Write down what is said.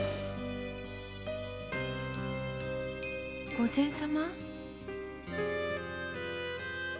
御前様？